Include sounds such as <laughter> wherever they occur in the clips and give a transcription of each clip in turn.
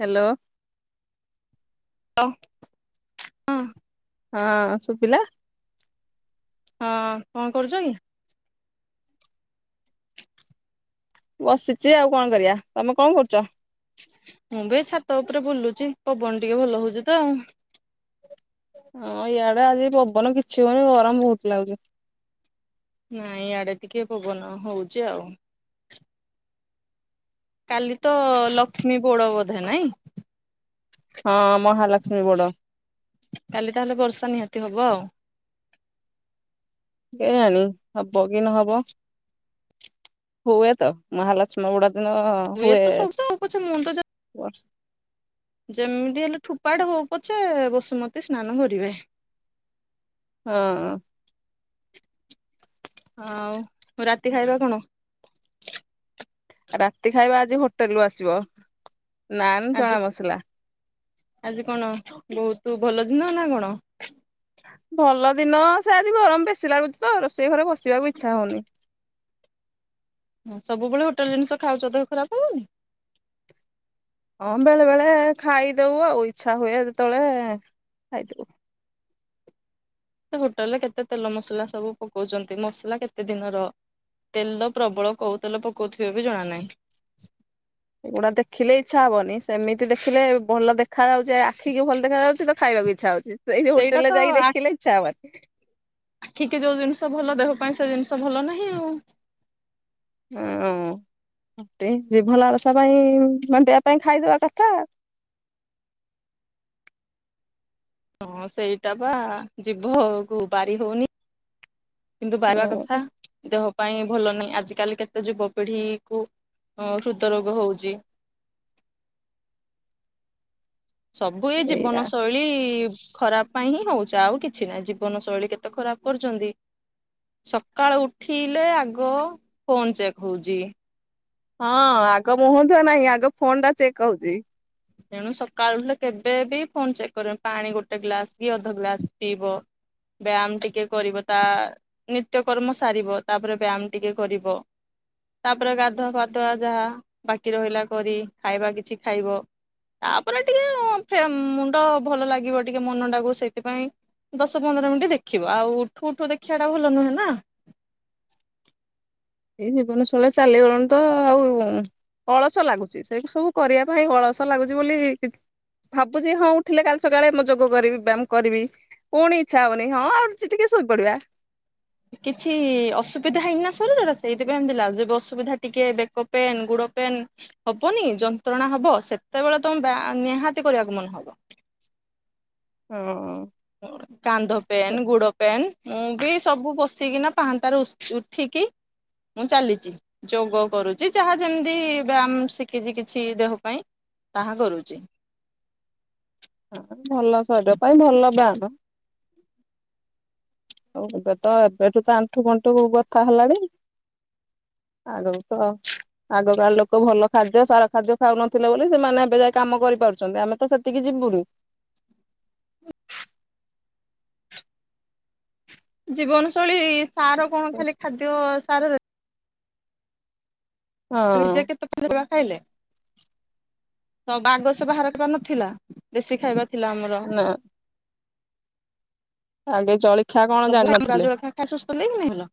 Hello. Hello. ହଁ ଶୁବିଲା। ହଁ କଣ କରୁଚ କି? ବସିଛି ଆଉ କଣ କରିବା ତମେ କଣ କରୁଚ? ମୁଁ ବିଏଇ ଛାତ ଉପରେ ବୁଲୁଚି ପବନ ଟିକେ ଭଲ ହଉଚି ତ ଆଉ। ହଁ ଇଆଡେ ଆଜି ପବନ କିଛି ହଉନି ଗରମ ବହୁତ ଲାଗୁଚି। ନାଇଁ ଇଆଡ଼େ ଟିକେ ପବନ ହଉଚି ଆଉ। କାଲି ତ ଲକ୍ଷ୍ମୀ ବୋଡ ବୋଧେ ନାଇଁ। ହଁ ମହାଲକ୍ଷ୍ମୀ ବୋଡ। କାଲି ତାହେଲେ ବର୍ଷା ନିହାତି ହବ ଆଉ। କେଆଣି ହବ କି ନହବ? ହୁଏ ତ ମହାଲକ୍ଷ୍ମୀ ବୋଡା ଦିନ। ହୁଏ। ହୁଏତ <unintelligible> <unintelligible> ଯେମିତି ହେଲେ ଠୁପାଟେ ହଉ ପଛେ ବସୁମତୀ ସ୍ନାନ କରିବେ। ହଁ। ଆଉ ରାତି ଖାଇବା କଣ? ରାତି ଖାଇବା ଆଜି ହୋଟେଲୁ ଆସିବ ନାନ ଆଜି ଚଣା ମସଲା। ଆଜି କଣ ବହୁତୁ ଭଲ ଦିନ ନା କଣ। ଭଲ ଦିନ ସେ ଆଜି ଗରମ ବେଶୀ ଲାଗୁଚି ତ ରୋଷେଇ ଘରେ ବସିବାକୁ ଇଚ୍ଛା ହଉନି। ହଁ ସବୁବେଳେ ହୋଟେଲ ଜିନ୍‌ଷ ଖାଉଚ ଦେହ ଖରାପ ହବନି। ହଁ ବେଳେ ବେଳେ ଖାଇଦୋଉ ଆଉ ଇଚ୍ଛା ହୁଏ ଯେତେବେଳେ ଖାଇଦୋଉ। ସେ ହୋଟେଲ ରେ କେତେ ତେଲ ମସଲା ସବୁ ପକଉଚନ୍ତି ମସଲା କେତେ ଦିନର। ତେଲ ପ୍ରବଳ କୋଉ ତେଲ ପକଉଥିବେ ବି ଜଣା ନାହିଁ। ଏଗୁଡା ଦେଖିଲେ ଇଚ୍ଛା ହବନି ସେମିତି ଦେଖିଲେ ଭଲ ଦେଖା ଯାଉଚି ଆଖିକି ଭଲ ଦେଖା ଯାଉଚି ତ ଖାଇବାକୁ ଇଛା ହଉଚି ସେଇ ସେଇଟା ହୋଟଲ ତ ରେ ଯାଇକି ଦେଖିଲେ ଇଛା ହବନି। ଆଖିକି ଯୋଉ ଜିନିଷ ଭଲ ଦେହ ପାଇଁ ସେ ଜିନିଷ ଭଲ ନାହିଁ ଆଉ। ହ ଏଇ ଜିଭଲାଳସା ପାଇଁ ମଣ୍ଡିିବା ପାଇଁ ଖାଇଦବା କଥା। ହଁ ସେଇଟା ବା ଜିଭକୁ ବାରି ହଉନି। କିନ୍ତୁ ବାରବା କଥା। ଦେହ ପାଇଁ ଭଲ ନାହିଁ ଆଜିକାଲି କେତେ ଯୁବପିଢି କୁ ହୃଦ ରୋଗ ହଉଚି। ସବୁଏଇ ଏଇଆ ଜୀବନଶୈ ଳି ଖରାପ ପାଇଁ ହିଁ ହଉଚି ଆଉ କିଛି ନାହିଁ ଜୀବନ ଶୈଳୀ କେତେ ଖରାପ କରୁଚନ୍ତି। ସକାଳୁ ଉଠିଲେ ଆଗ ଫୋନ ଚେକ୍ ହଉଚି। ହଁ ଆଗ ମୁହଁଧୁଆ ନାହିଁ ଆଗ ଫୋନ ଟା ଚେକ୍ ହଉଚି। ତେଣୁ ସକାଳୁ ଉଠିଲେ କେବେ ବି ଫୋନ୍ ଚେକ୍ କରିବନ୍ ପାଣି ଗୋଟେ ଗ୍ଲାସ କି ଅଧ ଗ୍ଲାସ ପିଇବ। ବ୍ୟାୟାମ ଟିକେ କରିବ ତା ନିତ୍ୟକର୍ମ ସାରିବ ତାପରେ ବ୍ୟାୟାମ ଟିକେ କରିବ। ତାପରେ ଗାଧୁଆ ଫାଧୁଆ ଯାହା ବାକି ରହିଲା କରି ଖାଇବା କିଛି ଖାଇବ। ତାପରେ ଟିକେ ଫ୍ରେ ମୁଣ୍ଡ ଭଲ ଲାଗିବ ଟିକେ ମନ ଟାକୁ ସେଇଥିପାଇଁ ଦଶ ପନ୍ଦର ମିନିଟ୍ ଦେଖିବ ଆଉ ଉଠୁ ଉଠୁ ଦେଖିବା ଟା ଭଲ ନୁହେଁ ନା। ଏଇ ଜୀବନ ଶୈଳୀ ଚାଲିଗଲାଣି ତ ଆଉ ଅଳସ ଲାଗୁଛି ସେ ସବୁ କରିବା ପାଇଁ ଅଳସ ଲାଗୁଛି ବୋଲିଛି ଭାବୁଛି ହଁ ଉଠିଲେ କାଲି ସକାଳେ ମୁଁ ଯୋଗ କରିବି ମୁ କରିବି ପୁଣି ଇଚ୍ଛା ହଉନିଁ ଆଉଛି ଟିକେ ଶୋଇପଡିବା। କିଛି ଅସୁବିଧା ହେଇନା ଶରୀରରେ ସେଇଥିପାଇଁମ ଥିଲା ଯେ ଅସୁବିଧା ଟିକେ ବେକ ପେନ୍ ଗୁଡ ପେନ୍ ହବନି ଯନ୍ତ୍ରଣା ହବ ସେତେବେଳେ ତମେ ନିହାତି କରିବାକୁ ମନେ ହବ। ହଁ ହଉ କାନ୍ଧ ପେନ୍ ଗୁଡ ପେନ୍ ମୁଁ ବି ସବୁ ବସିକିନା ପାହାନ୍ତାରେ ଉଠିକି ମୁଁ ଚାଲିଛି ଯୋଗ କରୁଛି ଯାହା ଯେମିତି ବ୍ୟାୟାମ ଶିଖିଛି କିଛି ଦେହ ପାଇଁ ତାହା କରୁଛି। ହଁ ଭଲ ଶରିର ପାଇଁ ଭଲ ବାମ। ଆଉ ଏବେ ତ ଏବେଠୁ ତ ଆଣ୍ଠୁ ଗଣ୍ଠୁ ବଥା ହେଲାଣି। ଆଉ ତ ଆଗକାଳ ଲୋକ ଭଲ ଖାଦ୍ୟ ସାର ଖାଦ୍ୟ ଖାଉନଥିଲେ ବୋଲି ସେମାନେ ଏବେ ଯାଏ କାମ କରିପାରୁଛନ୍ତି ଆମେ ତ ସେତିକି ଯିବୁନି। ଜୀବନଶୈଳୀ ସାର କଣ ଖାଲି ଖାଦ୍ୟ ସାର <unintelligible> ହଁ <unintelligible> ବାଗସ ବାହାର ନଥିଲା ବେଶୀ ଖାଇବା ଥିଲାମର ନା ଆଜ୍ଞା ଚଳି ସବୁ <unintelligible> ଖା ସୁସ୍ଥ ଲାଗନ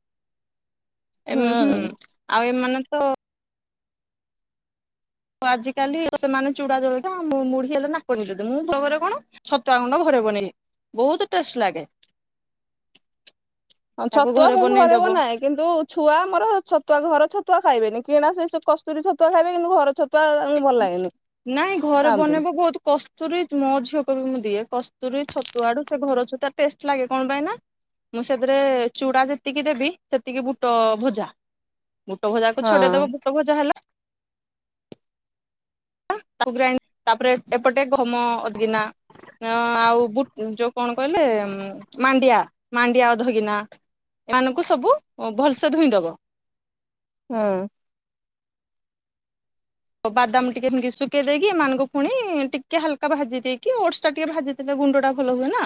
ହେ ହୁଁ ଆଉ ଏମାନେ ତ ଆଜିିକାଲି ସେମାନେ ଚୁଡ଼ା ଜଳଖିଆ ମୁଢି ହେଲେ ନାକ ନିଦ ମୁଁ ଘରେ କଣ। ଛଟୁଆ ଗୁଣ୍ଡ ଘରେ ବନେଇି ବହୁତ ଟେଷ୍ଟ ଲାଗେ ହଁ ତାକୁ ଛତୁଆ ମୁଁ ଘରେ ବନେଇଦବ। ବନାଏ। କିନ୍ତୁ ଛୁଆ ଆମର ଛତୁଆ ଘର ଛତୁଆ ଖାଇବେନି କିଣା ସେ କସ୍ତୁରୀ ତୁଆ ଖାଇବେ କିନ୍ତୁ ଘର ଛତୁଆ ତାଙ୍କୁ ଭଲ ଲାଗେନି ନାଇଁ ଘରେ ଖାଆନ୍ତିନି। ବନେଇବା ବହୁତ କଷ୍ଟ କୁରୀ ମୋ ଝିଅକୁ ବି ମୁଁ ଦିଏ କସ୍ତୁରୀ ଛତୁଆଡୁ ସେ ଘର ଅଛୁ ତ ଟେଷ୍ଟ ଲାଗେ କଣ ପାଇଁ ନା ମୁଁ ସେଥିରେ ଚୂଡା ଯେତିକି ଦେବି ସେତିକି ବୁଟ ଭଜା। ବୁଟ ଭଜାକୁ ହଁ ଛଡେଇଦବ ବୁଟ ଭଜା ହେଲା। ତା ତାପରେ ଏପଟେ ଗହମ ଅଧଗିନା ଅ ଆଉ ଯୋଉ କଣ କହିଲେ ମାଣ୍ଡିଆ ମାଣ୍ଡିଆ ଧଗିନା ଏମାନଙ୍କୁ ସବୁ ଭଲସେ ଧୁଇଇଁଦବ ହଁ ଓ ବାଦାମ ଟିକେ ଶୁଖେଇ ଦେଇକି ଏମାନଙ୍କୁ ପୁଣି ଟିକେ ହାଲକା ଭାଜି ଦେଇକି ଓଟସ ଟା ଟିକେ ଭା ସେତ ଗୁଣ୍ଡ ଟା ଭଲ ହୁଏ ନା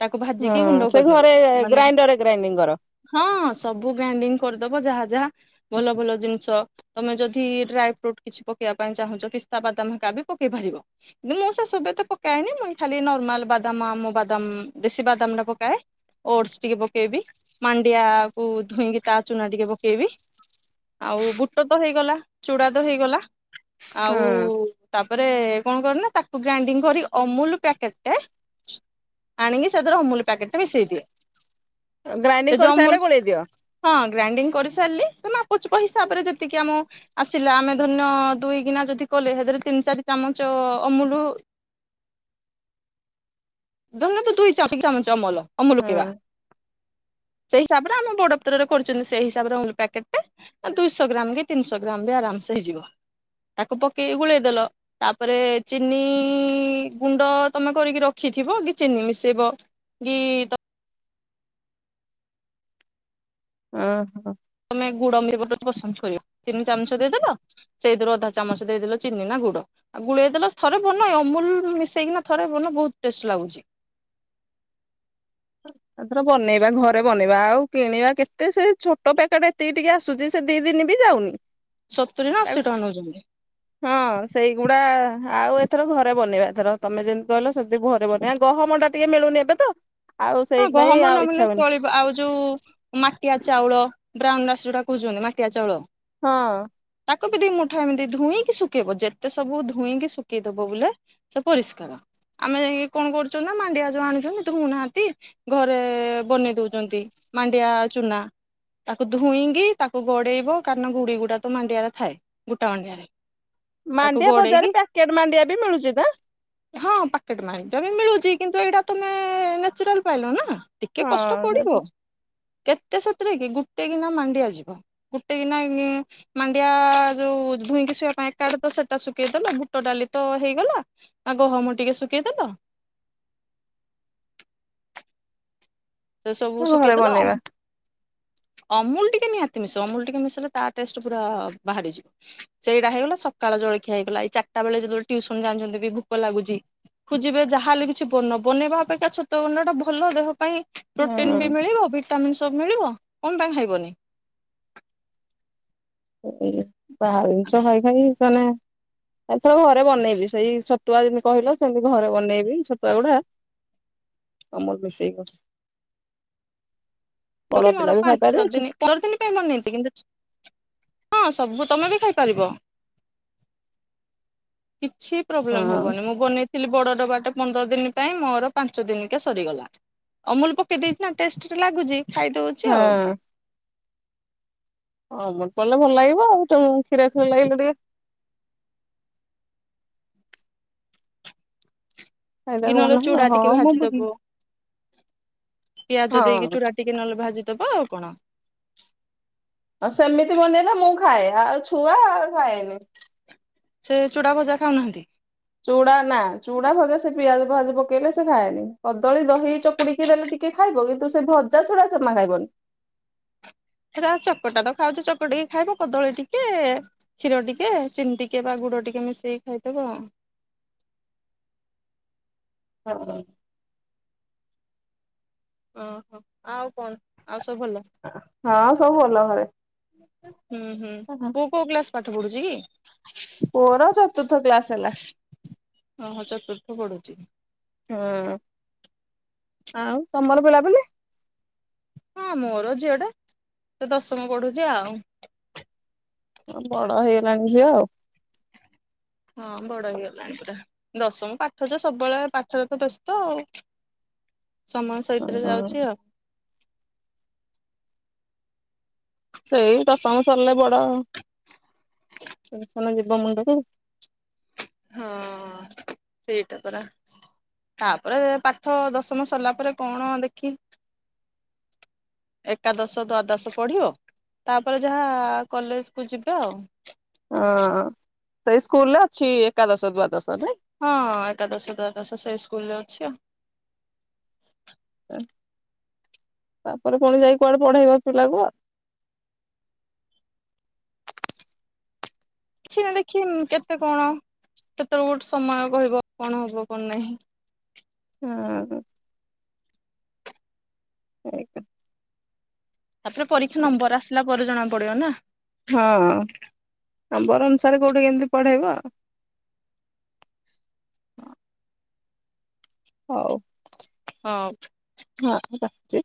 ତାକୁ ଭାଜିକି ଗୁଣ୍ଡ ହଁ ସେ କରିଦବ ଘରେ ମାନେ ଗ୍ରାଇଣ୍ଡରରେ ଗ୍ରାଇଡି କର ହଁ ସବୁ ଗ୍ରାଣ୍ଡିଙ୍ଗ କରିଦବ ଯାହା ଯାହା ଭଲ ଭଲ ଜିନିଷ ତମେ ଯଦି ଡ୍ରାଇ ଫ୍ରୁଟ କିଛି ପକେଇବା ପାଇଁ ଚାହୁଁଛ କିସ୍ତା ବାଦାମ ଏକା ବି ପକେଇ ପାରିବ କିୁ ମୁୋ ସେ ସୁବେ ତ ପକାଏନି ମୁଇଁ ଖାଲି ନର୍ମାଲ ବାଦାମ ଆମ ବାଦାମ ଦେଶୀ ବାଦାମ ନ ପକାଏ ଓଟସ ଟିକେ ପକେଇବି ମାଣ୍ଡିଆକୁ ଧୁଇଁକି ତା ଚୁନା ଟିକେ ପକେଇବି ଆଉ ବୁଟ ତ ହେଇଗଲା ଚୁଡ଼ା ତ ହେଇଗଲା ଆଉ ହଁ ତାପରେ କଣ କର ନା ତାକୁ ଗ୍ରାଇଣ୍ଡିଙ୍ଗ କରି ଅମୁଲ ପ୍ୟାକେଟ ଟା ଆଣିକି ସେଥେରେ ଅମୁଲ ପ୍ୟାକେଟଟା ମିଶେଇଦିଏ। ଗ୍ରାଇଣ୍ଡିଙ୍ଗ୍ କରି ସାଇଲେ ଗୋଳେଇଦିଅ, ହଁ ଗ୍ରାଇଣ୍ଡିଙ୍ଗ୍ କରିସାରିଲି ତ ମାପଚୁପ ହିସାବରେ ଯେତିକି ଆମ ଆସିଲା ଆମେ ଧରିନିଅ ଦୁଇ ଗିନା ଯଦି କଲେ ସେଥିରେ ତିନି, ଚାରି ଚାମଚ ଅମୁଲୁ ଧରି ନିଅନ୍ତୁ ଦୁଇ ଚା ଚାମଚ ଅମଲ ଅମୁଲ ହଁ ପକେଇବା, ସେଇ ହିସାବରେ ଆମ ବଡ ପତରରେ କରୁଛନ୍ତି ସେଇ ହିସାବରେ ପ୍ୟାକେଟ୍ ଟେ ଦୁଇଶହ ଗ୍ରାମ କି ତିନିଶହ ଗ୍ରାମ ବି ଆରାମସେ ହେଇଯିବ, ତାକୁ ପକେଇକି ଗୁଳେଇଦେଲ। ତାପରେ ଚିନି ଗୁଣ୍ଡ ତମେ କରିକି ରଖି ଥିବ କି ଚିନି ମିଶେଇବ କି ଅଁ ହଁ। ତମେ ଗୁଡ ମିଶେଇବ ଯଦି ପସନ୍ଦ କରିବ ତିନି ଚାମଚ ଦେଇଦେଲ ସେଇଥିରୁ ଅଧା ଚାମଚ ଦେଇଦେଲ ଚିନି ନା ଗୁଡ। ଆଉ ଗୁଳେଇ ଦେଲ ଥରେ ବନା ଏ ଅମୁଲ ମିଶେଇକିନା ଥରେ ବନା ବହୁତ ଟେଷ୍ଟ ଲାଗୁଛି। ଏଥର ବନେଇବା ଘରେ ବନେଇବା ଆଉ କିଣିବା କେତେ ସେ ଛୋଟ ପ୍ୟାକେଟ୍ ଏତିକି ଟିକେ ଆସୁ ଛି ସେ ଦି ଦିନି ବି ଯାଉନି। ସତୁରି ନା ଅଶୀ ତାକୁ ଟଙ୍କା ନଉଛନ୍ତି। ହଁ ସେଇଗୁଡା ଆଉ ଏଥର ଘରେ ବନେଇବା ଏଥର ତମେ ଯେମିତି କହିଲ ସେମିତି ଘରେ ବନେଇ ବା ଗହମ ଟା ଟିକେ ମିଳୁନି ଏବେ ତ, ଆଉ ହଁ ସେଇଥିପାଇଁ ଗହମ ଆଉ ଇଚ୍ଛା ନମିଳିଲେ ହଉନି ଚଳିବ ଆଉ ଯୋଉ ମାଟିଆ ଚାଉଳ, ବ୍ରାଉନ୍ ରାଇସ ଯୋଉଟା କହୁଛନ୍ତି ମାଟିଆ ଚାଉଳ ହଁ। ତାକୁ ବି ଦି ମୁଠା ଏମିତି ଧୁଇଁକି ଶୁଖେଇବ ଯେତେ ସବୁ ଧୁଇଁକି ଶୁଖେଇଦବ ବୋଲେ ସେ ପରିଷ୍କାର, ଆମେ ଯାଇକି କଣ କରୁଛନ୍ତି ନା ମାଣ୍ଡିଆ ଯୋଉ ଆଣୁଛନ୍ତି ଧୋଉ ନାହାନ୍ତି ଘରେ ବନେଇ ଦଉଛନ୍ତି, ମାଣ୍ଡିଆ ଚୁନା। ତାକୁ ଧୁଇଁକି ତାକୁ ଗଡେଇବ କାରଣ ଗୁଡି ଗୁଡା ତ ମାଣ୍ଡିଆରେ ଥାଏ। ଗୁଟା ମାଣ୍ଡିଆରେ। ତାକୁ ମାଣ୍ଡିଆ ଗୋଡେଇକି ବଜାରରେ ପ୍ୟାକେଟ ମାଣ୍ଡିଆ ବି ମିଳୁଛି ତ? ହଁ ପ୍ୟାକେଟ୍ ମାଲ ଟା ବି ମିଳୁଛି କିନ୍ତୁ ଏଇଟା ତମେ ନେଚୁରାଲ ପାଇଲ ନା। ଟିକେ କଷ୍ଟ ପଡିବ, କେତେ ସେଥିରେ କି ଗୁଟେ ଗିନା ମାଣ୍ଡିଆଯିବ। ଗୁଟେ ଗିନା ଇଁ ମାଣ୍ଡିଆ ଯୋଉ ଧୁଇଁକି ଶୋଇବା ପାଇଁ ଏକାଡେ ତ ସେଟା ଶୁଖେଇଦେଲ ବୁଟ ଡାଲି ତ ହେଇଗଲା। ଆ ଗହମ ଟିକେ ଶୁଖେଇଦେଲ। ସେ ସବୁ ହଁ ଘରେ ଶୁଖେଇଦେଲ ବନେଇବା ଅମୁ ଅମୁଲ ଟିକେ ନିହାତି ମିଶେଇବ, ଅମୁଲ ଟିକେ ମିଶେଇଲେ ତା ଟେଷ୍ଟ ପୁରା ବାହାରିଯିବ। ସେଇଟା ହେଇଗଲା ସକାଳ ଜଳଖିଆ ହେଇଗଲା ଏଇ ଚାରିଟା ବେଳେ ଯେତେବେଳେ ଟିୟୁସନ ଜାଉଁଛନ୍ତି ବି ଭୁକ ଲାଗୁଛି ଖୋଜିବେ ଯାହାହେଲେ କିଛି ବନ ବନେଇବା ଅପେକ୍ଷା ଛତୁଆ ଗୁଣ୍ଡ ଟା ଭଲ ଦେହ ପାଇଁ। ପ୍ରୋଟିନ୍ ହଁ ବି ମିଳିବ ଭିଟାମିନ୍ ସବୁ ମିଳିବ କଣ ପାଇଁ ଖାଇବନି? ବାହାର ଜିନିଷ ଖାଇ ଖାଇ ସେମାନେ ଏଥର ଘରେ ବନେଇବି ସେଇ ଛତୁଆ ଯେମିତି କହିଲ ସେମିତି ଘରେ ବନେଇବି ଛତୁଆ ଗୁଡା ଅମୁଲ ମିଶେଇବ, ବଡ ମୋର ପିଲା ବି ପାଞ୍ଚ ଖାଇପାରିବେ ଛୋ <unintelligible> ପାଇଁ ବନେଇଛି କିନ୍ତୁ ଛୋ ହଁ ସବୁ ତମେ ବି ଖାଇପାରିବ। କିଛି ହଁ ପ୍ରୋବ୍ଲେମ ହବନି ମୁଁ ବନେଇ ଥିଲି ବଡ ଡବାଟେ ପନ୍ଦର ଦିନି ପାଇଁ, ମୋର ପାଞ୍ଚ ଦିନିକେ ସରିଗଲା। ଅମୁଲ ପକେଇ ଦେଇଛି ନା ଟେଷ୍ଟି ତ ଲାଗୁଛି ଖାଇଦଉ ହୁଁ। ଅମୁଲ ପଡିଲେ ଭଲ ଲାଗିବ ଆଉ ତେଣୁ କ୍ଷୀରିଆ ଖିୀରି ଲାଗିଲେ ଟିକେ କି ଖାଇଦବାକୁ ନହେଲେ ମନ ହବ, ଚୁଡା ଟିକେ ହଁ ମୁଁ ଭାଜିଦବ ବୁଝିଲି ପିଆଜ ଦେଇକି ହଁ ଚୂଡା ଟିକେ ନହେଲେ ଭାଜିଦବ ଆଉ କଣ। ଆଉ ସେମିତି ବାନେଇଲେ ମୁଁ ଖାଏ ଆଉ ଛୁଆ ଆଉ ଖାଏନି। ସେ ଚୂଡ଼ା ଭଜା ଖାଉନାହାନ୍ତି। ଚୁଡା ନା ଚୁଡା ଭଜା ସେ ପିଆଜ ଫାଜ ପକେଇଲେ ସେ ଖାଏନି କଦଳୀ ଦହି ଚକୁଡିକି ଦେଲେ ଟିକେ ଟିକେ ଖାଇବ କିନ୍ତୁ ସେ ଭଜା ଛୁଡା ଜମା ଖାଇବନି। ଚକଟା ତ ଖାଉଛି ଚକଟିକ ଖାଇବ କଦଳୀ ଟିକେ କ୍ଷୀର ଟିକେ ଚିନି ଟିକେ ବା ଗୁଡ ଟିକେ ମିଶେଇି ଖାଇଥବ ଆଉ। <inaudible> ଓହୋ, ଆଉ କଣ ଆଉ ସବୁ ଭଲ? ହଁ ସବୁ ଭଲ ଘରେ। ହୁଁ ହୁଁ ପୁଅ କୋଉ କ୍ଲାସ୍ ପାଠ ପଢୁଛି କି? ପୁଅର ଚତୁର୍ଥ କ୍ଲାସ୍ ହେଲା। ଓହୋ, ଚତୁର୍ଥ ପଢୁଚି? ହୁଁ, ଆଉ ତମର ପିଲାପିଲି? ହଁ, ମୋର ଝିଅଟେ ସେ ଦଶମ ପଢୁଚି ଆଉ। <unintelligible> ବଡ ହେଇଗଲାଣି ଝିଅ ଆଉ। ହଁ ବଡ ହେଇଗଲାଣି ପୁରା, ଦଶମ ପାଠ ତ ସବୁବେଳେ ପାଠରେ ତ ବ୍ୟସ୍ତ ଆଉ। ସମୟ ସେଇଥିରେ ହଁ ଯାଉଚି ଆଉ। ସେଇ ଦଶମ ସରିଲେ ବଡ ଟେନ୍ସନ ଯିବ ମୁଣ୍ଡରୁ। ହଁ ସେଇଟା ପରା। ତାପରେ ପାଠ ଦଶମ ସରିଲା ପରେ କଣ ଦେଖି ଏକାଦଶ ଦ୍ଵାଦଶ ପଢିବ। ତାପରେ ଯାହା କଲେଜ୍ କୁ ଯିବେ ଆଉ। ହଁ ସେଇ ସ୍କୁଲରେ ଅଛି ଏକାଦଶ ଦ୍ଵାଦଶ ନାଇଁ? ହଁ ଏକାଦଶ ଦ୍ୱାଦଶ ସେଇ ସ୍କୁଲ୍ ରେ ଅଛି ଆଉ। ତାପରେ ପୁଣି ଯାଇ କୁଆଡେ ପଢେଇବା ପିଲାକୁ ଆଉ। କିଛି ନା ଦେଖି କେତେ କଣ ସେତଵେଲୁକୁ ଗୋଟେ ସମୟ କହିବ କଣ ହବ କଣ ନାହିଁ। ହୁଁ। <inaudible> ତାପରେ ପରୀକ୍ଷା ନମ୍ବର୍ ଆସିଲା ପରେ ଜଣାପଡିବ ନା। ହଁ, ନମ୍ୱର୍ ଅନୁସାରେ କୋଉଠି କେମ୍ତି ପଢେଇବ ଆଉ। ହଉ। ହଁ। ହଁ <unintelligible>